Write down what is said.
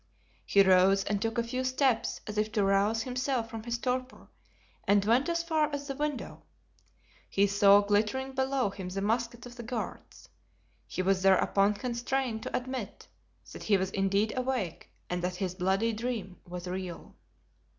He rose and took a few steps as if to rouse himself from his torpor and went as far as the window; he saw glittering below him the muskets of the guards. He was thereupon constrained to admit that he was indeed awake and that his bloody dream was real.